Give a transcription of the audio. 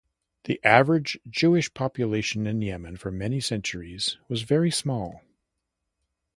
The average Jewish population in Yemen for many centuries was very small.